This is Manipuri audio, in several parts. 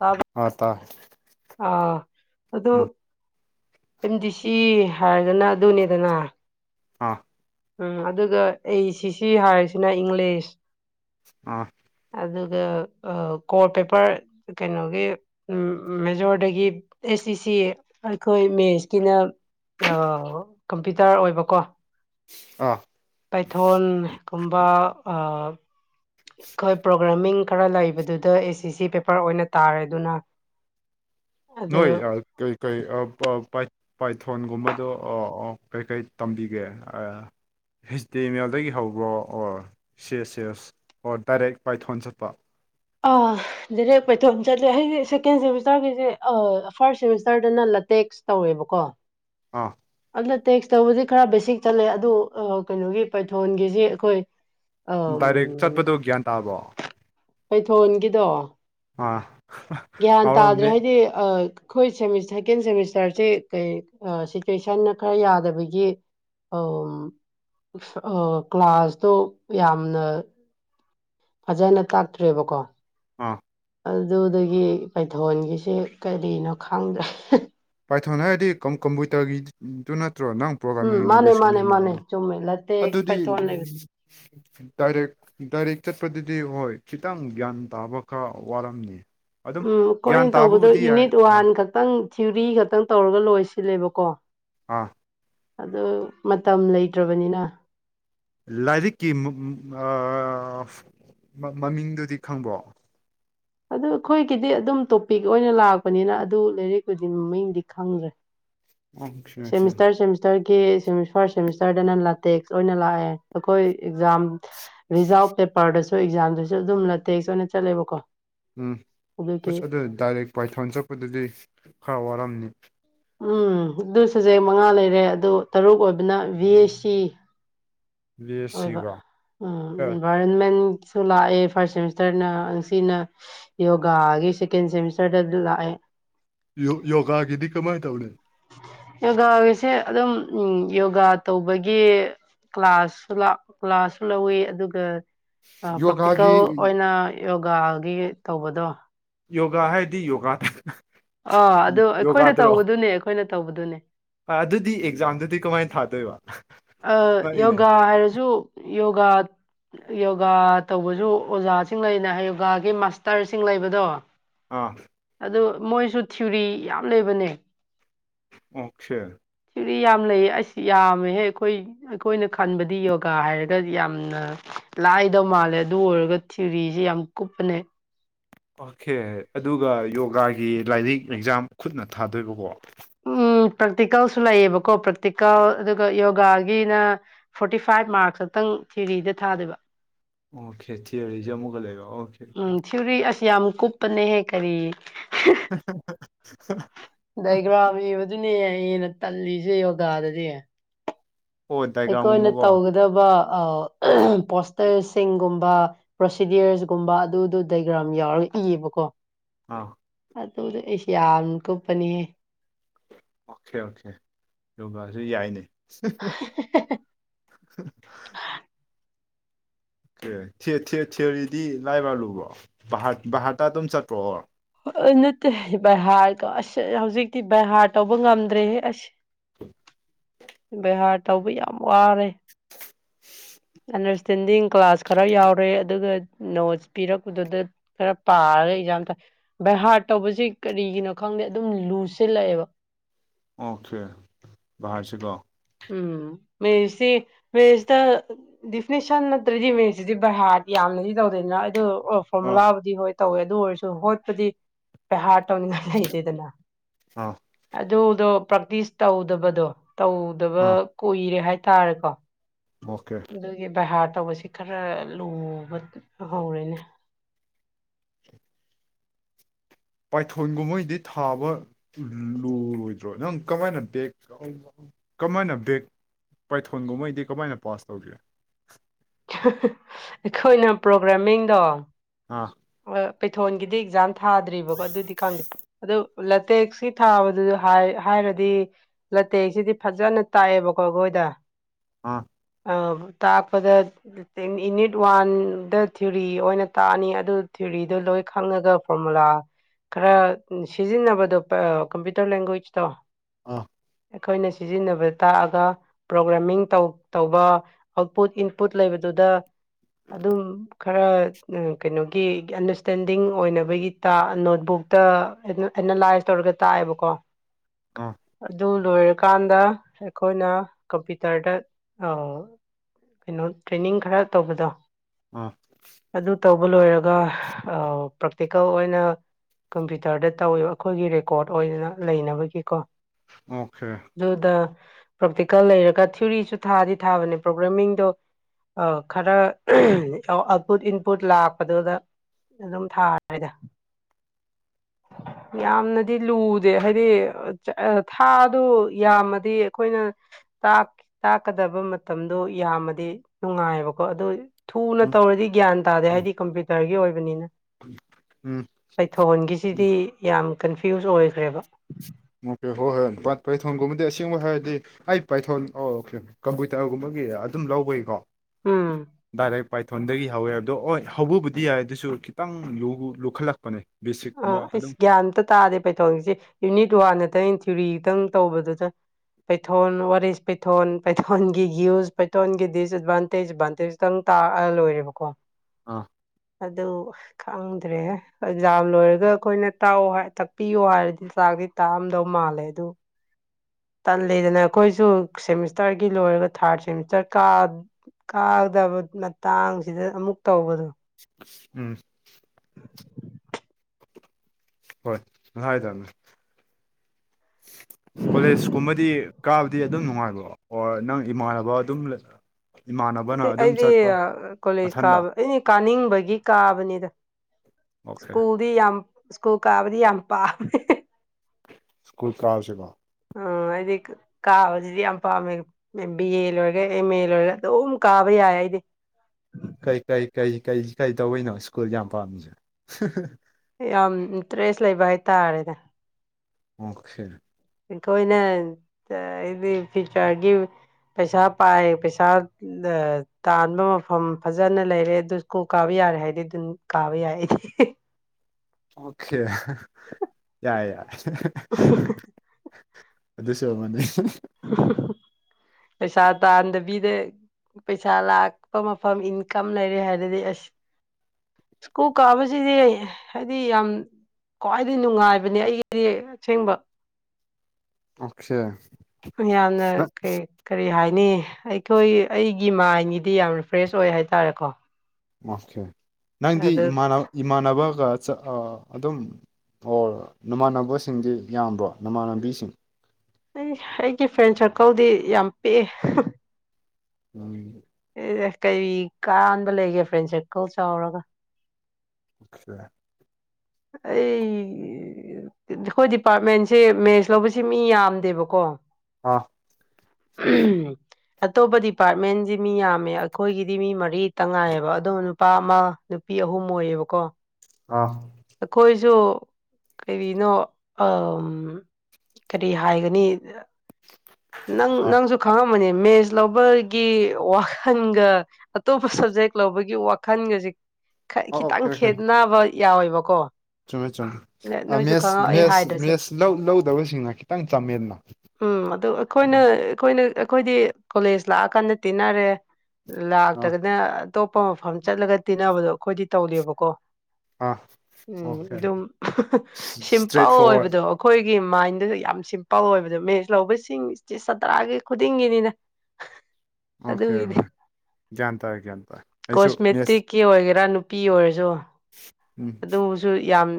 ꯇꯥꯕ [unintelligible] ꯑ ꯎꯝ ꯑꯗꯨꯗꯣ ꯑꯦꯝ ꯗꯤ ꯁꯤ ꯍꯥꯏꯔꯒꯅ ꯑꯗꯨꯅꯦꯗꯅ ꯑꯥ ꯎꯝ ꯑꯗꯨꯒ ꯑꯦ ꯁꯤ ꯁꯤ ꯍꯥꯏꯔꯤꯁꯤꯅ ꯏꯪꯂꯤꯁ ꯑ ꯑꯗꯨꯒ ꯀꯣꯔ ꯄꯦꯄꯔ ꯀꯩꯅꯣꯒꯤ ꯃꯦꯖꯣꯔꯗꯒꯤ ꯑꯦꯁ ꯁꯤꯁꯤ ꯑꯩꯈꯣꯏ ꯃꯦꯁꯀꯤꯅ ꯀꯝꯄ꯭ꯌꯨꯇꯔ ꯑꯣꯏꯕꯀꯣ ꯑꯥ ꯄꯥꯏꯊꯣꯟ ꯀꯨꯝꯕ ꯑꯥ ꯑꯩꯈꯣꯏ ꯄ꯭ꯔꯣꯒ꯭ꯔꯥꯃꯤꯡ ꯈꯔ ꯂꯩꯕꯗꯨꯗ ꯑꯦ ꯁꯤ ꯁꯤ ꯄꯦꯄꯔ ꯑꯣꯏꯅ ꯇꯥꯔꯦ ꯑꯗꯨꯅ [inaudible] ꯅꯣꯏ ꯑ ꯀꯩ ꯀꯩ [inaudible] ꯄꯥꯏꯊꯣꯟꯒꯨꯝꯕꯗꯣ ꯑꯣ ꯑꯣ ꯀꯩꯀꯩ ꯇꯝꯕꯤꯒꯦ ꯍꯁ ꯗꯦ ꯃꯜꯗꯒꯤ ꯍꯧꯕ꯭ꯔꯣ ꯑꯣꯔ ꯁꯦꯁ ꯁꯦꯁ ꯑꯣ ꯗꯥꯏꯔꯦꯛ ꯄꯥꯏꯊꯣꯟ ꯆꯠꯄ ꯑꯥ ꯗꯥꯏꯔꯦꯛ ꯄꯩꯊꯣꯟ ꯆꯠꯂꯦ ꯑꯩꯁꯦ ꯁꯦꯀꯦꯟ ꯁꯦꯃꯤꯁꯇꯔꯒꯤꯁꯦ ꯐꯥꯔꯠ ꯁꯦꯃꯤꯁꯇꯔꯗꯅ ꯂꯇꯦꯛꯁ ꯇꯧꯋꯦꯕꯀꯣ [inaudible] ꯑꯥ ꯑꯗꯨꯗ ꯇꯦꯛꯁ ꯇꯧꯕꯗꯤ ꯈꯔ ꯕꯦꯁꯤꯛ ꯆꯠꯂꯦ ꯑꯗꯨ ꯀꯩꯅꯣꯒꯤ ꯄꯦꯊꯣꯟꯒꯤꯁꯤ ꯑꯩꯈꯣꯏ ꯗꯥꯏꯔꯦꯛ ꯆꯠꯄꯗꯣ ꯒ꯭ꯌꯥꯟ ꯇꯥꯕꯣ ꯄꯩꯊꯣꯟꯒꯤꯗꯣ ꯑꯥ ꯒ꯭ꯌꯥꯟ ꯉꯥꯎꯔꯝꯅꯤ ꯇꯥꯗ꯭ꯔꯦ ꯍꯥꯏꯗꯤ ꯑꯩꯈꯣꯏ ꯁꯦꯀꯦꯟ ꯁꯦꯃꯤꯁꯇꯔꯁꯦ ꯀꯩ ꯁꯤꯆꯨꯋꯦꯁꯟꯅ ꯈꯔ ꯌꯥꯗꯕꯒꯤ ꯑ ꯀ꯭ꯂꯥꯁꯇꯣ ꯌꯥꯝꯅ ꯐꯖꯅ ꯇꯥꯛꯇ꯭ꯔꯦꯕꯀꯣ ꯑꯥ ꯑꯗꯨꯗꯒꯤ ꯄꯩꯊꯣꯟꯒꯤꯁꯦ ꯀꯔꯤꯅꯣ ꯈꯪꯗ꯭ꯔꯦ ꯄꯥꯏꯊꯣꯟ ꯍꯥꯏꯔꯗꯤ ꯀꯝꯄꯌꯨꯇꯔꯒꯤꯗꯨ ꯅꯠꯇ꯭ꯔꯣ ꯅꯪ ꯄ꯭ꯔꯣꯒꯥꯃꯤꯡ ꯎꯝ ꯃꯥꯅꯦ ꯂꯦꯡꯒꯣꯏꯁꯀꯤꯗꯤ ꯃꯥꯅꯦ ꯅꯣ ꯃꯥꯅꯦ ꯆꯨꯝꯃꯦ ꯂꯇꯦꯛꯁ ꯑꯗꯨꯗꯤ ꯄꯥꯏꯊꯣꯟ ꯂꯩꯕꯗꯣ ꯗꯥꯏꯔꯦꯛ ꯗꯥꯏꯔꯦꯛ ꯆꯠꯄꯗꯨꯗꯤ ꯍꯣꯏ ꯈꯤꯇꯪ ꯒ꯭ꯌꯥꯟ ꯇꯥꯕ ꯈꯔ ꯋꯥꯔꯝꯅꯤ ꯑꯗꯨꯝ ꯎꯝ ꯒ꯭ꯌꯥꯟ ꯑꯩꯈꯣꯏꯅ ꯇꯧꯕꯗꯣ ꯇꯥꯕꯕꯨꯗꯤ ꯌꯥꯏ ꯌꯨꯅꯤꯠ ꯑ ꯋꯥꯟ ꯈꯛꯇꯪ ꯊꯤꯌꯨꯔꯤ ꯈꯛꯇꯪ ꯇꯧꯔꯒ ꯂꯣꯏ ꯁꯤꯜꯂꯦꯕꯀꯣ ꯑꯥ ꯑꯗꯨ ꯃꯇꯝ ꯂꯩꯇ꯭ꯔꯕꯅꯤꯅ ꯂꯥꯏꯔꯤꯛꯀꯤ [unintelligible] ꯃꯥ ꯃꯃꯤꯡꯗꯨꯗꯤ ꯈꯪꯕ꯭ꯔꯣ꯫ ꯑꯗꯨ ꯑꯩꯈꯣꯏꯒꯤꯗꯤ ꯑꯗꯨꯝ ꯇꯣꯄꯤꯛ ꯑꯣꯏꯅ ꯂꯥꯛꯄꯅꯤꯅ ꯑꯗꯣ ꯂꯥꯏꯔꯤꯛꯄꯨꯗꯤ ꯃꯃꯤꯡꯗꯤ ꯈꯪꯗ꯭ꯔꯦ꯫ ꯑꯣꯀꯦ ꯑꯣꯀꯦ ꯁꯦꯃꯤꯁꯇꯔ ꯁꯦꯃꯤꯁꯇꯔꯒꯤ ꯁꯦꯃꯤꯐꯔ ꯁꯦꯃꯤꯁꯇꯔꯗꯅ ꯂꯥꯇꯦꯛꯁ ꯑꯣꯏꯅ ꯂꯥꯛꯑꯦ꯫ ꯑꯩꯈꯣꯏ ꯑꯦꯛꯖꯥꯝ ꯔꯤꯖꯜ ꯄꯦꯄꯔꯗꯁꯨ ꯑꯦꯛꯖꯥꯝꯗꯁꯨ ꯑꯗꯨꯝ ꯇꯦꯛꯁ ꯑꯣꯏꯅ ꯆꯠꯂꯦꯕꯀꯣ꯫ ꯎꯝ ꯑꯗꯨꯒꯤ ꯑꯁ ꯑꯗꯨ ꯗꯥꯏꯔꯦꯛ ꯄꯥꯏꯊꯣꯟ ꯆꯠꯄꯗꯨꯗꯤ ꯈꯔ ꯋꯥꯔꯝꯅꯤ꯫ ꯎꯝ ꯑꯗꯨ ꯁꯕꯖꯦꯛ ꯃꯉꯥ ꯂꯩꯔꯦ ꯑꯗꯨ ꯇꯔꯨꯛ ꯑꯣꯏꯕꯅ ꯕꯤ ꯑꯦꯁ ꯁꯤ__ ꯕꯤ ꯑꯦꯁ [unintelligible] ꯁꯤꯒ ꯑꯦ ꯑꯦꯟꯚꯥꯏꯔꯣꯟꯃꯦꯟꯁꯨ ꯂꯥꯛꯑꯦ ꯐꯥꯔꯁ ꯁꯦꯃꯤꯁꯇꯔꯅ ꯉꯁꯤꯅ ꯌꯣꯒꯥꯒꯤ ꯁꯦꯀꯦꯟ ꯁꯦꯃꯤꯁꯇꯔꯗꯗꯨ ꯂꯥꯛꯑꯦ ꯌꯣ ꯌꯣꯒꯥꯒꯤꯗꯤ ꯀꯃꯥꯏ ꯇꯧꯒꯅꯤ ꯌꯣꯒꯥꯒꯤꯁꯤ ꯑꯗꯨꯝ ꯌꯣꯒꯥ ꯇꯧꯕꯒꯤ ꯀ꯭ꯂꯥꯁꯁꯨ ꯂꯥꯛ ꯀ꯭ꯂꯥꯁꯁꯨ ꯂꯧꯋꯤ ꯑꯗꯨꯒ ꯑꯥ ꯄ꯭ꯔꯦꯛꯇꯤꯀꯦꯜ ꯌꯣꯒꯥꯒꯤ ꯑꯣꯏꯅ ꯌꯣꯒꯥꯒꯤ ꯇꯧꯕꯗꯣ ꯌꯣꯒꯥ ꯍꯥꯏꯗꯤ ꯌꯣꯒꯥ ꯇꯥ [unintelligible] ꯑꯥꯍ ꯑꯗꯨ ꯑꯩꯈꯣꯏꯅ ꯇꯧꯕꯗꯨꯅꯤ ꯑꯩꯈꯣꯏꯅ ꯇꯧꯕꯗꯨꯅꯤ ꯑꯥ ꯑꯗꯨꯗꯤ ꯑꯦꯛꯖꯥꯝꯗꯨꯗꯤ ꯀꯃꯥꯏꯅ ꯊꯥꯗꯣꯏꯕ ꯑꯥ ꯉꯛꯏꯅꯦ ꯌꯣꯒꯥ ꯍꯥꯏꯔꯁꯨ ꯌꯣꯒꯥ ꯌꯣꯒꯥ ꯇꯧꯕꯁꯨ ꯑꯣꯖꯥꯁꯤꯡ ꯂꯩꯅ [unintelligible] ꯌꯣꯒꯥꯒꯤ ꯃꯥꯁꯇꯔꯁꯤꯡ ꯂꯩꯕꯗꯣ꯫ ꯑꯥꯍ ꯑꯗꯨ ꯃꯣꯏꯁꯨ ꯊꯤꯌꯣꯔꯤ ꯌꯥꯝ ꯂꯩꯕꯅꯤ ꯑꯣꯈꯦ ꯊꯤꯌꯣꯔꯤ ꯌꯥꯝ ꯂꯩꯌꯦ ꯑꯁ ꯌꯥꯝꯃꯦꯍꯦ ꯑꯩꯈꯣꯏ ꯑꯩꯈꯣꯏꯅ ꯈꯟꯕꯗꯤ ꯌꯣꯒꯥ ꯍꯥꯏꯔꯒ ꯌꯥꯝꯅ ꯂꯥꯏꯗꯧ ꯃꯥꯟꯂꯦ ꯑꯗꯨ ꯑꯣꯏꯔꯒ ꯊꯤꯌꯣꯔꯤꯖꯦ ꯌꯥꯝ ꯀꯨꯞꯄꯅꯤ ꯑꯣꯈꯦ ꯑꯗꯨꯒ ꯌꯣꯒꯥꯒꯤ ꯂꯥꯏꯔꯤꯛ ꯑꯦꯛꯖꯥꯝ ꯈꯨꯠꯅ ꯊꯥꯗꯣꯏꯕꯀꯣ ꯎꯝ ꯄ꯭ꯔꯦꯛꯇꯤꯀꯦꯜꯁꯨ ꯂꯩꯌꯦꯕꯀꯣ ꯄ꯭ꯔꯦꯛꯇꯤꯀꯦꯜ ꯑꯗꯨꯒ ꯌꯣꯒꯥꯒꯤꯅ ꯐꯣꯔꯇꯤ ꯐꯥꯏꯚ ꯃꯥꯔꯛꯁ ꯈꯛꯇꯪ ꯊꯤꯑꯣꯔꯤꯗ ꯊꯥꯗꯣꯏꯕ ꯑꯣꯈꯦ ꯊꯤꯌꯣꯔꯤꯖꯨ ꯑꯃꯨꯛꯀꯥ ꯂꯩꯕ ꯑꯈꯦ ꯊꯤꯌꯣꯔꯤ ꯑꯁ ꯌꯥꯝ ꯀꯨꯞꯄꯅꯤꯍꯦ ꯀꯔꯤ [unintelligible] ꯗꯥꯏꯒ꯭ꯔꯥꯝ ꯏꯕꯗꯨꯅꯤ ꯍꯦꯟꯅ ꯇꯟꯂꯤꯁꯦ ꯌꯣꯒꯥꯗꯗꯤ ꯑꯣ ꯑꯩꯈꯣꯏꯅ ꯗꯥꯏꯒ꯭ꯔꯥꯝꯒꯨꯝꯕꯀꯣ ꯇꯧꯒꯗꯕ ꯑꯥ ꯄꯣꯁꯇꯔꯁꯤꯡꯒꯨꯝꯕ ꯄ꯭ꯔꯣꯁꯤꯗꯤꯌꯔꯁꯒꯨꯝꯕ ꯑꯗꯨ ꯑꯗꯨ ꯗꯥꯏꯒ꯭ꯔꯥꯝ ꯌꯥꯎꯔꯒ ꯏꯑꯦꯕꯀꯣ ꯑꯥꯍ ꯑꯗꯨꯗꯣ ꯑꯁ ꯌꯥꯝ ꯀꯨꯞꯄꯥꯅꯤꯍꯦ ꯑꯣꯈꯦ ꯑꯣꯈꯦ ꯌꯣꯒꯥꯁꯦ ꯌꯥꯏꯌꯦꯅꯦ [unintelligible] ꯊꯦ ꯊꯦ ꯊꯤꯌꯣꯔꯤꯗꯤ ꯂꯥꯏꯕ꯭ꯔꯣ ꯂꯨꯕ꯭ꯔꯣ ꯕꯥꯏꯍꯥꯔꯗ ꯕꯥꯏꯍꯥꯔꯗ ꯇ ꯑꯗꯨꯝ ꯆꯠꯄ꯭ꯔꯣ [unintelligible] ꯅꯠꯇꯦ ꯕꯥꯏꯍꯥꯔꯗ ꯀꯥ ꯑꯁ ꯍꯧꯖꯤꯛꯇꯤ ꯕꯥꯏꯍꯥꯔꯗ ꯇꯧꯕ ꯉꯝꯗ꯭ꯔꯦꯍꯦ ꯑꯁ ꯕꯥꯏꯍꯥꯔꯗ ꯇꯧꯕ ꯌꯥꯝ ꯋꯥꯔꯦ ꯑꯟꯗꯔꯁꯇꯦꯟꯗꯤꯡ ꯀ꯭ꯂꯥꯁ ꯈꯔ ꯌꯥꯎꯔꯦ ꯑꯗꯨꯒ ꯅꯣꯠꯁ ꯄꯤꯔꯛꯄꯗꯨꯗ ꯈꯔ ꯄꯥꯔꯒ ꯑꯦꯛꯖꯥꯝ ꯊꯥꯏ ꯕꯥꯏꯍꯥꯔꯗ ꯇꯧꯕꯁꯤ ꯀꯔꯤꯒꯤꯅꯣ ꯈꯟꯗꯦ ꯑꯗꯨꯝ ꯂꯨꯁꯤꯜꯂꯛꯑꯦꯕ ꯑꯣꯈꯦ ꯕꯥꯔꯍꯥꯔꯗ ꯁꯤꯀꯣ ꯎꯝ [unintelligible] ꯗꯤꯐꯤꯅꯤꯁꯟ ꯅꯠꯇ꯭ꯔꯗꯤ ꯃꯦꯊꯁ ꯇꯗꯤ ꯕꯥꯏꯍꯥꯔꯗ ꯌꯥꯝꯅꯗꯤ ꯇꯧꯗ꯭ꯔꯦꯗꯅ ꯑꯣ ꯑꯥ ꯐꯣꯔꯃꯨꯂꯥꯕꯨꯗꯤ ꯍꯣꯏ ꯇꯧꯋꯦ ꯑꯗꯨ ꯑꯣꯏꯁꯨ ꯍꯣꯠꯄꯗꯤ ꯕꯥꯏꯍꯥꯔꯗ ꯇꯧꯅꯤꯡꯉꯥꯏ ꯂꯩꯇꯦꯗꯅ ꯑꯥ ꯑꯗꯨꯗ ꯄ꯭ꯔꯦꯛꯇꯤꯁ ꯇꯧꯗꯕꯗꯨ ꯇꯧꯗꯕ ꯑꯥ ꯀꯨꯏꯔꯦ ꯍꯥꯏꯇꯥꯔꯦꯀꯣ ꯃꯣꯈꯩ ꯑꯗꯨꯒꯤ ꯕꯥꯍꯥꯔ ꯇꯧꯕꯁꯤ ꯈꯔ ꯂꯨꯕ ꯍꯧꯔꯦꯅꯦ [unintelligible] ꯄꯥꯏꯊꯣꯟꯒꯨꯝꯕꯩꯗꯤ ꯊꯥꯕ ꯂꯔꯣꯏꯗ꯭ꯔꯣ ꯅꯪ ꯀꯃꯥꯏꯅ ꯄꯦꯛ ꯀꯃꯥꯏꯅ ꯕꯦꯛ ꯄꯥꯏꯊꯣꯟꯒꯨꯝꯍꯩꯗꯤ ꯀꯃꯥꯏꯅ ꯄꯥꯁ ꯇꯧꯔꯤꯔꯦ ꯑꯩꯈꯣꯏꯅ ꯄ꯭ꯔꯣꯒ꯭ꯔꯥꯃꯤꯡꯗꯣ ꯑꯥ ꯄꯦꯊꯣꯟꯒꯤꯗꯤ ꯑꯦꯛꯖꯥꯝ ꯊꯥꯗ꯭ꯔꯤꯕꯀꯣ ꯑꯗꯨꯗꯤ ꯈꯪꯗꯦ ꯑꯗꯨ ꯂꯥꯇꯦꯛꯁꯀꯤ ꯊꯥꯕꯗꯨ ꯍꯥꯏ ꯍꯥꯏꯔꯗꯤ ꯂꯥꯇꯦꯛꯁꯤꯗꯤ ꯐꯖꯅ ꯇꯥꯛꯑꯦꯕꯀꯣ ꯑꯈꯣꯏꯗ꯫ ꯑꯥ ꯇꯥꯛꯄꯗ ꯌꯨꯅꯤꯠ ꯋꯥꯟꯗ ꯊꯤꯑꯣꯔꯤ ꯑꯣꯏꯅ ꯇꯥꯛꯑꯅꯤ ꯑꯗꯨ ꯊꯤꯑꯣꯗꯣ ꯂꯣꯏ ꯈꯪꯉꯒ ꯐꯣꯔꯃꯨꯂꯥ ꯈꯔ ꯁꯤꯖꯤꯟꯅꯕꯗꯣ ꯀꯝꯄ꯭ꯌꯨꯇꯔ ꯂꯦꯡꯒ꯭ꯋꯦꯖꯇꯣ꯫ ꯑꯥ ꯑꯩꯈꯣꯏꯅ ꯁꯤꯖꯤꯟꯅꯕ ꯇꯥꯛꯑꯒ ꯄ꯭ꯔꯣꯒ꯭ꯔꯥꯃꯤꯡ ꯇꯧ ꯇꯧꯕ ꯑꯥꯎꯠꯄꯨꯠ ꯏꯟꯄꯨꯠ ꯂꯩꯕꯗꯨꯗ ꯑꯗꯨꯝ ꯈꯔ ꯀꯩꯅꯣꯒꯤ ꯑꯟꯗꯔꯁꯇꯦꯟꯗꯤꯡ ꯑꯣꯏꯅꯕꯒꯤꯇꯥ ꯅꯣꯠꯕꯨꯛ ꯇ ꯑꯦꯅ ꯑꯦꯅꯂꯥꯏꯁ ꯇꯧꯔꯒ ꯇꯥꯑꯦꯕꯀꯣ꯫ ꯑ ꯑꯗꯨ ꯂꯣꯏꯔꯀꯥꯟꯗ ꯑꯩꯈꯣꯏꯅ ꯀꯝꯄ꯭ꯌꯨꯇꯔꯗ ꯑꯥ ꯀꯩꯅꯣ ꯇ꯭ꯔꯦꯅꯤꯡ ꯈꯔ ꯇꯧꯕꯗꯣ ꯑꯥ ꯑꯗꯨ ꯇꯧꯕ ꯂꯣꯏꯔꯒ ꯑꯥ ꯄ꯭ꯔꯥꯛꯇꯤꯀꯦꯜ ꯑꯣꯏꯅ ꯀꯝꯄ꯭ꯌꯨꯇꯔꯗ ꯇꯧꯋꯦꯕ ꯑꯈꯣꯏꯒꯤ ꯔꯦꯀꯣꯔꯠ ꯑꯣꯏꯅ ꯂꯩꯅꯕꯒꯤꯀꯣ꯫ ꯑꯣꯀꯦ ꯑꯗꯨꯗ ꯄ꯭ꯔꯥꯛꯇꯤꯀꯦꯜ ꯂꯩꯔꯒ ꯊꯤꯑꯣꯔꯤꯁꯨ ꯊꯥꯗꯤ ꯊꯥꯕꯅꯦ ꯄ꯭ꯔꯣꯒ꯭ꯔꯥꯃꯤꯡꯗꯣ ꯑ ꯈꯔ ꯑꯥꯎꯠꯄꯨꯠ ꯏꯟꯄꯨꯠ ꯂꯥꯛꯄꯗꯨꯗ ꯑꯗꯨꯝ ꯊꯥꯔꯤꯗ ꯌꯥꯝꯅꯗꯤ ꯂꯨꯗꯦ ꯍꯥꯏꯗꯤ ꯊꯥꯗꯨ ꯌꯥꯝꯃꯗꯤ ꯑꯈꯣꯏꯅ ꯇꯥꯛ ꯇꯥꯛꯀꯗꯕ ꯃꯇꯝꯗꯣ ꯌꯥꯝꯃꯗꯤ ꯅꯨꯡꯉꯥꯏꯌꯦꯕꯀꯣ ꯑꯗꯨ ꯊꯨꯅ ꯎꯝ ꯇꯧꯔꯗꯤ ꯒ꯭ꯌꯥꯟ ꯇꯥꯗꯦ ꯍꯥꯏꯗꯤ ꯀꯝꯄ꯭ꯌꯨꯇꯔꯒꯤ ꯑꯣꯏꯕꯅꯤꯅ꯫ ꯎꯝ ꯑꯄꯥꯏꯊꯣꯟꯒꯤꯁꯤꯗꯤ ꯌꯥꯝ ꯀꯟꯐ꯭ꯌꯨꯁ ꯑꯣꯏꯈ꯭ꯔꯦꯕ꯫ ꯑꯣꯀꯦ ꯍꯣꯏ ꯄꯥꯏꯊꯣꯟꯒꯨꯝꯕꯗꯤ ꯑꯁꯦꯡꯕ ꯍꯥꯏꯔꯗꯤ ꯑꯩ ꯄꯥꯏꯊꯣꯟ ꯑꯣꯀꯦ ꯀꯝꯄ꯭ꯌꯨꯇꯔꯒꯨꯝꯕꯒꯤ ꯑꯗꯨꯝ ꯂꯧꯕꯩꯀꯣ ꯎꯝ ꯗꯥꯏꯔꯦꯛ ꯄꯥꯏꯊꯣꯟꯗꯒꯤ ꯍꯧꯋꯦꯕ ꯑꯗꯣ ꯑꯣꯏ ꯍꯧꯕꯕꯨꯗꯤ ꯌꯥꯏ ꯑꯗꯨꯁꯨ ꯈꯤꯇꯪ ꯂꯨꯈꯠꯂꯛꯄꯅꯦ꯫ ꯑꯥ ꯕꯦꯁꯤꯛꯀꯨꯝꯕ ꯑꯗꯨꯝ ꯑꯩꯁ ꯒ꯭ꯌꯥꯟ ꯑꯝꯇ ꯇꯥꯗꯦ ꯄꯥꯏꯊꯣꯟꯁꯦ ꯌꯨꯅꯤꯠ ꯋꯥꯟ ꯑꯇꯪ ꯊꯤꯑꯣꯔꯤꯇꯪ ꯇꯧꯕꯗꯨꯗ ꯄꯩꯊꯣꯟ ꯋꯥꯠ ꯏꯁ ꯄꯥꯏꯊꯣꯟ ꯄꯥꯏꯊꯣꯟꯒꯤ ꯌꯨꯁ ꯄꯥꯏꯊꯣꯟꯒꯤ ꯗꯤꯁꯑꯦꯠꯚꯥꯟꯇꯦꯖ ꯑꯦꯗꯚꯥꯟꯇꯦꯖ ꯇꯪ ꯇꯥꯛꯑ ꯂꯣꯏꯔꯦꯕꯀꯣ꯫ ꯑꯥ ꯑꯗꯨ ꯈꯪꯗ꯭ꯔꯦꯍꯦ ꯑꯦꯛꯖꯥꯝ ꯂꯣꯏꯔꯒ ꯑꯩꯈꯣꯏꯅ ꯇꯥꯛꯑꯣ ꯇꯥꯛꯄꯤꯌꯣ ꯍꯥꯏꯔꯗꯤ ꯇꯥꯛꯗꯤ ꯇꯥꯛꯑꯝꯗꯧ ꯃꯥꯜꯂꯦ ꯑꯗꯨ ꯇꯟꯂꯤꯗꯅ ꯑꯩꯈꯣꯏꯁꯨ ꯁꯦꯃꯤꯁꯇꯔꯒꯤ ꯂꯣꯏꯔꯒ ꯊꯥꯔꯠ ꯁꯦꯃꯤꯁꯇꯔ ꯀꯥ ꯀꯥꯗꯕ ꯃꯇꯥꯡꯁꯤꯗ ꯑꯃꯨꯛ ꯇꯧꯕꯗꯣ ꯎꯝ ꯍꯣꯏ ꯂꯥꯏꯗꯝꯅꯤ꯫ [inaudible] ꯀꯣꯂꯦꯖ ꯀꯨꯝꯕꯗꯤ ꯀꯥꯕꯗꯤ ꯑꯗꯨꯝ ꯅꯨꯡꯉꯥꯏꯕ꯭ꯔꯣ ꯑꯣꯔ ꯅꯪ ꯏꯃꯥꯟꯅꯕ ꯑꯗꯨꯝ ꯏꯃꯥꯟꯅꯕꯅ ꯅꯠꯇꯦ ꯑꯗꯨꯝ ꯑꯩꯗꯤ ꯆꯠꯄ꯭ꯔꯣ ꯀꯣꯂꯦꯖ ꯃꯊꯟꯗ ꯀꯥꯕ ꯑꯩꯅ ꯀꯥꯅꯤꯡꯕꯒꯤ ꯀꯥꯕꯅꯤꯗ ꯑꯣꯀꯦ ꯁ꯭ꯀꯨꯜ ꯗꯤ ꯌꯥꯝ ꯁ꯭ꯀꯨꯜ ꯀꯥꯕꯗꯤ ꯌꯥꯝ ꯄꯥꯝꯃꯦ꯫ ꯏꯁꯀꯨꯜ ꯀꯥꯕꯁꯤꯀꯣ ꯑ ꯑꯩꯗꯤ ꯀꯥꯕꯁꯤꯗꯤ ꯌꯥꯝ ꯄꯥꯝꯃꯦ ꯕꯤ ꯑꯦ ꯂꯣꯏꯔꯒ ꯑꯦ ꯃꯦ ꯂꯣꯏꯔ ꯑꯗꯨꯝ ꯀꯥꯕ ꯌꯥꯏ ꯑꯩꯗꯤ꯫ ꯀꯩ ꯀꯩ ꯀꯩ ꯀꯩ ꯀꯩ ꯇꯧꯕꯩꯅꯣ ꯁ꯭ꯀꯨꯜ ꯌꯥꯝ ꯄꯥꯝꯃꯤꯁꯦ? ꯌꯥꯝ ꯏꯟꯇꯔꯦꯁ ꯂꯩꯕ ꯍꯥꯏꯇꯥꯔꯦꯅꯦ꯫ ꯑꯣꯈꯦ ꯑꯩꯈꯣꯏꯅ ꯍꯥꯏꯗꯤ ꯐ꯭ꯌꯨꯆꯔꯒꯤ ꯄꯩꯁꯥ ꯄꯥꯏ ꯄꯩꯁꯥ ꯇꯥꯟꯕ ꯃꯐꯝ ꯐꯖꯅ ꯂꯩꯔꯦ ꯑꯗꯨ ꯁ꯭ꯀꯨꯜ ꯀꯥꯕ ꯌꯥꯔꯦ ꯍꯥꯏꯗꯤ ꯑꯗꯨꯝ ꯀꯥꯕ ꯌꯥꯏ ꯑꯩꯗꯤ ꯑꯣꯀꯦ ꯌꯥꯏ ꯌꯥꯏ ꯎ [inaudible] ꯑꯗꯨꯁꯨ ꯑꯃꯅꯤꯅꯦ ꯑ [inaudible] ꯄꯩꯁꯥ ꯇꯥꯟꯗꯕꯤꯗ ꯄꯩꯁꯥ ꯂꯥꯛꯄ ꯃꯐꯝ ꯏꯟꯀꯝ ꯂꯩꯔꯦ ꯍꯥꯏꯔꯗꯤ ꯑꯁ ꯁ꯭ꯀꯨꯜ ꯀꯥꯕꯁꯤꯗꯤ ꯍꯥꯏꯗꯤ ꯌꯥꯝ ꯈ꯭ꯋꯥꯏꯗꯒꯤ ꯅꯨꯡꯉꯥꯏꯕꯅꯦ ꯑꯩꯒꯤꯗꯤ ꯑꯁꯦꯡꯕ ꯑꯣꯀꯦ ꯌꯥꯝꯅ ꯅꯪ ꯀꯩ ꯀꯔꯤ ꯍꯥꯏꯅꯤ ꯑꯩꯈꯣꯏ ꯑꯩꯒꯤ ꯃꯥꯏꯟꯒꯤꯗꯤ ꯌꯥꯝ ꯔꯤꯐ꯭ꯔꯦꯁ ꯑꯣꯏ ꯍꯥꯏꯇꯥꯔꯦꯀꯣ ꯑꯣꯀꯦ ꯑꯗꯨ ꯅꯪꯗꯤꯟ ꯏꯃꯥꯟꯅꯕꯒ ꯑꯗꯨꯝ ꯑꯣꯔ ꯅꯃꯥꯟꯅꯕꯁꯤꯡꯗꯤ ꯌꯥꯝꯕ꯭ꯔꯣ ꯅꯃꯥꯟꯅꯕꯤꯁꯤꯡ ꯑꯩ ꯑꯩꯒꯤ ꯐ꯭ꯔꯦꯟ ꯁꯥꯔꯀꯜꯗꯤ ꯌꯥꯝ ꯄꯤꯛꯑꯦ ꯎꯝ ꯑꯦ ꯀꯔꯤ ꯀꯥꯟꯕ ꯂꯩꯒꯦ ꯐ꯭ꯔꯦꯟ ꯁꯔꯀꯜ ꯆꯥꯎꯔꯒ ꯑꯦ ꯑꯩ ꯑꯩꯈꯣꯏ ꯗꯤꯄꯥꯔꯠꯃꯦꯟꯁꯦ ꯃꯦꯁ ꯂꯧꯕꯁꯤ ꯃꯤ ꯌꯥꯝꯗꯦꯕꯀꯣ ꯑꯥ [inaudible] ꯑꯇꯣꯞꯄ ꯗꯤꯄꯥꯔꯠꯃꯦꯟꯁꯤ ꯃꯤ ꯌꯥꯝꯃꯦ ꯑꯩꯈꯣꯏꯒꯤꯗꯤ ꯃꯤ ꯃꯔꯤ ꯇꯉꯥꯏꯑꯦꯕ ꯑꯗꯣ ꯅꯨꯄꯥ ꯑꯃ ꯅꯨꯄꯤ ꯑꯍꯨꯝ ꯑꯣꯏꯌꯦꯕꯀꯣ ꯑꯥ ꯑꯩꯈꯣꯏꯁꯨ ꯀꯔꯤꯅꯣ ꯑ ꯀꯔꯤ ꯍꯥꯏꯒꯅꯤ ꯅꯪ ꯑꯥ ꯅꯪꯁꯨ ꯈꯪꯉꯝꯕꯅꯦ ꯃꯦꯁ ꯂꯧꯕꯒꯤ ꯋꯥꯈꯜꯒ ꯑꯇꯣꯞꯄ ꯁꯕꯖꯦꯛ ꯂꯧꯕꯒꯤ ꯋꯥꯈꯜꯒꯗꯤ ꯑꯣ ꯑꯣꯀꯦ ꯈꯤꯇꯪ ꯑꯣꯀꯦ ꯈꯦꯠꯅꯕ ꯌꯥꯎꯋꯦꯕꯀꯣ ꯆꯨꯝꯃꯦ ꯆꯨꯝꯃꯦ ꯅꯣꯏꯁꯨ ꯃꯦꯁ ꯈꯪꯉꯣ ꯑꯩ ꯃꯦꯁ ꯍꯥꯏꯗ꯭ꯔꯁꯨ ꯃꯦꯁ ꯂꯧꯗꯕꯁꯤꯡꯅ ꯈꯤꯇꯪ ꯆꯥꯃꯦꯅ ꯎꯝ ꯑꯗꯨ ꯑꯩꯈꯣꯏꯅ ꯑꯩꯈꯣꯏꯅ ꯑꯩꯈꯣꯏꯗꯤ ꯀꯣꯂꯦꯖ ꯂꯥꯛꯑꯀꯥꯟꯗ ꯇꯤꯟꯅꯔꯦ ꯑꯥ ꯂꯥꯛꯇ꯭ꯔꯒꯅ ꯑꯇꯣꯞꯄ ꯃꯐꯝ ꯆꯠꯂꯒ ꯇꯤꯟꯅꯕꯗꯣ ꯑꯩꯈꯣꯏꯗꯤ ꯇꯧꯗꯦꯕꯀꯣ ꯑꯥ ꯎꯝ ꯑꯣꯀꯦ ꯑꯗꯨꯝ ꯏꯁꯇ꯭ꯔꯦꯠ ꯁꯤꯝꯄꯜ ꯐꯣꯔꯋꯥꯔꯗ ꯑꯣꯏꯕꯗꯣ ꯑꯩꯈꯣꯏꯒꯤ ꯃꯥꯏꯟꯗꯨꯁꯨ ꯌꯥꯝ ꯁꯤꯝꯄꯜ ꯑꯣꯏꯕꯗꯣ ꯃꯦꯖ ꯂꯧꯕꯁꯤꯡ ꯁꯤ ꯁꯇ꯭ꯔꯥꯒꯤ ꯈꯨꯗꯤꯡꯒꯤꯅꯤꯗ ꯑꯣꯀꯦ ꯍꯣꯏ ꯒ꯭ꯌꯥꯟ ꯇꯥꯥꯢ ꯒ꯭ꯌꯥꯟ ꯇꯥꯢ ꯑꯩꯁꯨ ꯀꯣꯁꯃꯦꯇꯤꯛꯀꯤ ꯑꯣꯏꯒꯦꯔꯥ ꯅꯨꯄꯤ ꯑꯣꯏꯔꯁꯨ ꯎꯝ ꯑꯗꯨꯁꯨ ꯌꯥꯝ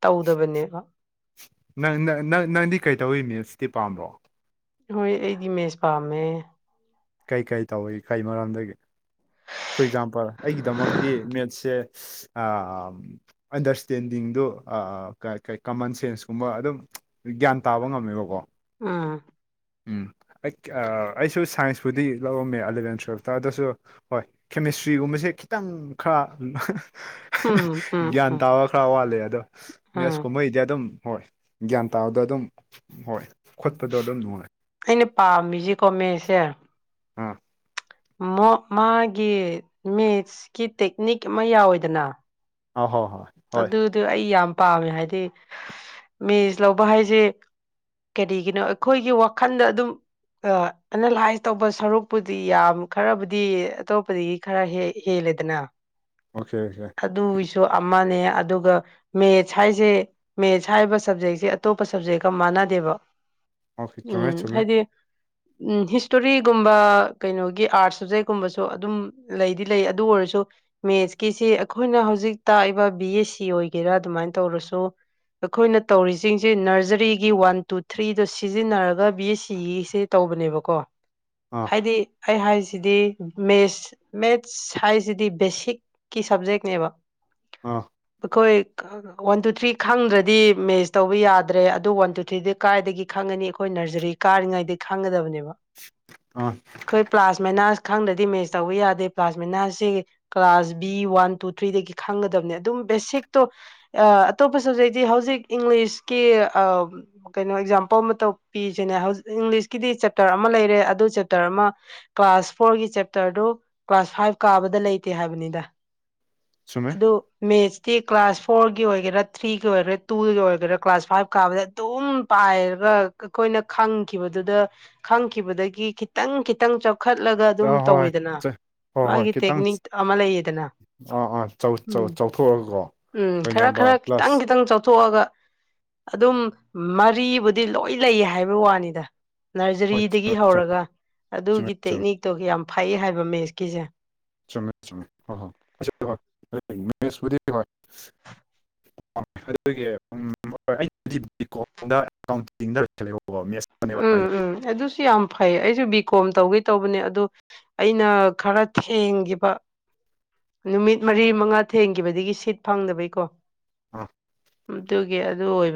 ꯇꯧꯗꯕꯅꯦꯕ ꯅꯪ ꯅꯪ ꯅꯪꯗꯤ ꯀꯩꯇꯧꯋꯤ ꯃꯤꯁꯇꯤ ꯄꯥꯝꯕ꯭ꯔꯣ ꯍꯣꯏ ꯑꯩꯗꯤ ꯃꯦꯁ ꯄꯥꯝꯃꯦ ꯀꯩ ꯀꯩ ꯇꯧꯏ ꯀꯩ ꯃꯔꯝꯗꯒꯤ ꯐꯣꯔ ꯑꯦꯛꯖꯥꯝꯄꯜ ꯑꯩꯒꯤꯗꯃꯛꯇꯤ ꯃꯦꯠꯁꯦ ꯑꯟꯗꯔꯁꯇꯦꯟꯗꯤꯡꯗꯨ ꯀꯃꯟ ꯁꯦꯟꯁꯀꯨꯝꯕ ꯑꯗꯨꯝ ꯒ꯭ꯌꯥꯟ ꯇꯥꯕ ꯉꯝꯃꯦꯕꯀꯣ ꯑꯥ ꯎꯝ ꯑꯩ ꯑꯩꯁꯨ ꯁꯥꯏꯟꯁꯄꯨꯗꯤ ꯂꯧꯔꯝꯃꯦ ꯑꯦꯂꯚꯦꯟ ꯇꯨꯋꯜꯐꯇ ꯑꯗꯨꯗꯁꯨ ꯍꯣꯏ ꯀꯦꯃꯤꯁꯇ꯭ꯔꯤꯒꯨꯝꯕꯁꯦ ꯈꯤꯇꯪ ꯈꯔ ꯎꯝ ꯎꯝ ꯒ꯭ꯌꯥꯟ ꯎꯝ ꯇꯥꯕ ꯈꯔ ꯋꯥꯠꯂꯦ ꯑꯗꯣ ꯎꯝ ꯃꯦꯁ ꯀꯨꯝꯕꯗꯤ ꯑꯗꯨꯝ ꯍꯣꯏ ꯒ꯭ꯌꯥꯟ ꯇꯥꯕꯗꯣ ꯑꯗꯨꯝ ꯍꯣꯏ ꯈꯣꯠꯄꯗꯣ ꯑꯗꯨꯝ ꯅꯨꯡꯉꯥꯏ ꯑꯩꯅ ꯄꯥꯝꯃꯤꯁꯤꯀꯣ ꯃꯦꯁꯦ ꯍꯥꯥ ꯃꯥꯒꯤ ꯃꯤꯦꯠꯁꯀꯤ ꯇꯦꯛꯅꯤꯛ ꯑꯃ ꯌꯥꯎꯋꯦꯗꯅ ꯑ ꯍꯣꯏ ꯍꯣꯏ ꯑꯗꯨꯗꯤ ꯑꯩ ꯌꯥꯝ ꯄꯥꯝꯃꯦ ꯍꯥꯏꯗꯤ ꯃꯤꯦꯁ ꯂꯧꯕ ꯍꯥꯏꯁꯦ ꯀꯔꯤꯒꯤꯅꯣ ꯑꯩꯈꯣꯏꯒꯤ ꯋꯥꯈꯜꯗ ꯑꯗꯨꯝ ꯑ ꯑꯦꯅꯥꯂꯥꯏꯁ ꯇꯧꯕ ꯁꯔꯨꯛꯄꯨꯗꯤ ꯌꯥꯝ ꯈꯔꯕꯨꯗꯤ ꯑꯇꯣꯞꯄꯗꯒꯤ ꯈꯔ ꯍꯦ ꯍꯦꯂꯗꯅ ꯑꯣꯁꯦ ꯑꯣꯦ ꯑꯗꯨꯒꯤꯁꯨ ꯑꯃꯅꯦ ꯑꯗꯨꯒ ꯃꯦꯠꯁ ꯍꯥꯏꯁꯦ ꯃꯦꯠꯁ ꯍꯥꯏꯔꯤꯕ ꯁꯞꯖꯦꯛꯁꯦ ꯑꯇꯣꯞꯄ ꯁꯕꯖꯦꯛꯀ ꯃꯥꯟꯅꯗꯦꯕ ꯑꯣꯀꯦ ꯆꯨꯝꯃꯦ ꯎꯝ ꯆꯨꯝꯃꯦ ꯍꯥꯏꯗꯤ ꯎꯝ ꯍꯤꯁꯇꯣꯔꯤꯒꯨꯝꯕ ꯀꯩꯅꯣꯒꯤ ꯑꯥꯔꯠ ꯁꯕꯖꯦꯛꯀꯨꯝꯕꯁꯨ ꯑꯗꯨꯝ ꯂꯩꯗꯤ ꯂꯩ ꯑꯗꯨ ꯑꯣꯏꯔꯁꯨ ꯃꯦꯠꯁꯀꯤꯁꯤ ꯑꯩꯈꯣꯏꯅ ꯍꯧꯖꯤꯛ ꯇꯥꯛꯏꯕ ꯕꯤ ꯑꯦꯁ ꯁꯤ ꯑꯣꯏꯒꯦꯔꯥ ꯑꯗꯨꯃꯥꯏꯅ ꯇꯧꯔꯁꯨ ꯑꯩꯈꯣꯏꯅ ꯇꯧꯔꯤꯁꯤꯡꯁꯦ ꯅꯔꯖꯔꯤꯒꯤ ꯋꯥꯟ ꯇꯨ ꯊ꯭ꯔꯤꯗꯣ ꯁꯤꯖꯤꯟꯅꯔꯒ ꯕꯤ ꯑꯦꯁ ꯁꯤꯁꯦ ꯇꯧꯕꯅꯦꯕꯀꯣ ꯑꯥ ꯍꯥꯏꯗꯤ ꯑꯩ ꯍꯥꯏꯁꯤꯗꯤ ꯃꯦꯁ ꯃꯦꯠꯁ ꯁꯥꯏꯟꯁꯁꯤꯗꯤ ꯕꯦꯁꯤꯛꯀꯤ ꯁꯕꯖꯦꯛꯅꯦꯕ ꯑꯥ ꯃꯈꯈꯣꯏ ꯋꯥꯟ ꯇꯨ ꯊ꯭ꯔꯤ ꯈꯪꯗ꯭ꯔꯗꯤ ꯃꯦꯁ ꯇꯧꯕ ꯌꯥꯗ꯭ꯔꯦ ꯑꯗꯨ ꯋꯥꯟ ꯇꯨ ꯊ꯭ꯔꯤꯗꯤ ꯀꯥꯏꯗꯒꯤ ꯈꯪꯉꯅꯤ ꯑꯩꯈꯣꯏ ꯅꯔꯖꯔꯤ ꯀꯥꯔꯤꯉꯩꯗꯒꯤ ꯈꯥꯡꯒꯗꯕꯅꯦꯕ ꯑ ꯑꯩꯈꯣꯏ ꯄ꯭ꯂꯥꯁꯃꯦꯅꯥꯁ ꯈꯪꯗꯗꯤ ꯃꯦꯁ ꯇꯧꯕ ꯌꯥꯗꯦ ꯄ꯭ꯂꯥꯁꯃꯤꯅꯥꯁꯤ ꯀ꯭ꯂꯥꯁ ꯕꯤ ꯋꯥꯟ ꯇꯨ ꯊ꯭ꯔꯤꯗꯒꯤ ꯈꯪꯒꯗꯕꯅꯦ ꯑꯗꯨꯝ ꯕꯦꯁꯤꯛꯇꯣ ꯑꯇꯣꯞꯄ ꯁꯕꯖꯦꯛꯇꯤ ꯍꯧꯖꯤꯛ ꯏꯪꯂꯤꯁꯀꯤ ꯀꯩꯅꯣ ꯑꯦꯛꯖꯥꯝꯄꯜ ꯑꯃ ꯄꯤꯁꯤꯅꯦ ꯍꯧꯖꯤꯛ ꯏꯪꯂꯤꯁꯀꯤꯗꯤ ꯆꯦꯞꯇꯔ ꯑꯃ ꯂꯩꯔꯦ ꯑꯗꯨ ꯆꯦꯞꯇꯔ ꯑꯃ ꯀ꯭ꯂꯥꯁ ꯐꯣꯔꯒꯤ ꯆꯦꯞꯇꯔꯗꯨ ꯀ꯭ꯂꯥꯁ ꯐꯥꯏꯚ ꯀꯥꯕꯗ ꯂꯩꯇꯦ ꯍꯥꯏꯕꯅꯤꯗ ꯆꯨꯝꯃꯦ ꯑꯗꯨ ꯃꯦꯠꯁꯇꯤ ꯀ꯭ꯂꯥꯁ ꯐꯣꯔꯒꯤ ꯑꯣꯏꯒꯦꯔꯥ ꯊ꯭ꯔꯤꯒꯤ ꯑꯣꯏꯒꯦꯔꯥ ꯇꯨꯒꯤ ꯑꯣꯏꯒꯦꯔꯥ ꯀ꯭ꯂꯥꯁ ꯐꯥꯏꯚ ꯀꯥꯕꯗ ꯑꯗꯨꯝ ꯄꯥꯏꯔꯒ ꯑꯩꯈꯣꯏꯅ ꯈꯪꯈꯤꯕꯗꯨꯗ ꯈꯪꯈꯤꯕꯗꯒꯤ ꯈꯤꯇꯪ ꯈꯤꯇꯪ ꯆ ꯀꯈꯠꯂꯒ ꯑꯗꯨꯝ ꯑ ꯍꯣꯏ ꯇꯧꯋꯦꯗꯅ ꯃꯥꯒꯤ ꯇꯦꯛꯅꯤꯛ ꯑꯃ ꯂꯩꯌꯦꯗꯅ ꯑꯣ ꯑꯣ ꯎꯝ ꯎꯝ ꯈꯔ ꯂꯣꯏꯅꯕ ꯈꯔ ꯈꯤꯇꯪ ꯄ꯭ꯂꯁ ꯈꯤꯇꯪ ꯆꯥꯎꯊꯣꯛꯑꯒ ꯑꯗꯨꯝ ꯃꯔꯤꯕꯨꯗꯤ ꯂꯣꯏ ꯂꯩ ꯍꯥꯏꯕ ꯋꯥꯅꯤꯗ ꯍꯣꯏ ꯅꯔꯖꯔꯤꯗꯒꯤ ꯍꯧꯔꯒ ꯆꯨꯝꯃꯦ ꯑꯗꯨꯒꯤ ꯆꯨꯝꯃꯦ ꯇꯦꯛꯅꯤꯛꯇꯣ ꯌꯥꯝ ꯐꯩ ꯍꯥꯏꯕ ꯃꯦꯠꯁꯀꯤꯁꯦ ꯆꯉꯦ ꯆꯉꯦ ꯑꯗꯨ ꯎꯝ ꯎꯝ ꯑꯗꯨꯁꯨ ꯌꯥꯝ ꯐꯩ ꯑꯩꯁꯨ ꯕꯤ ꯀꯣꯝ ꯇꯧꯒꯦ ꯇꯧꯕꯅꯦ ꯑꯗꯨ ꯑꯩꯅ ꯈꯔ ꯊꯦꯡꯈꯤꯕ ꯅꯨꯃꯤꯠ ꯃꯔꯤ ꯃꯉꯥ ꯊꯦꯡꯈꯤꯕꯗꯒꯤ ꯁꯤꯠ ꯐꯪꯗꯕꯩꯀꯣ ꯑꯥ ꯑꯗꯨꯒꯤ ꯑꯗꯨ ꯑꯣꯏꯕ